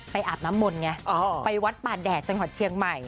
อาบน้ำมนต์ไงไปวัดป่าแดดจังหวัดเชียงใหม่